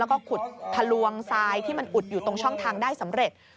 แล้วก็ขุดทะลวงทรายที่มันอุดอยู่ตรงช่องทางได้สำเร็จ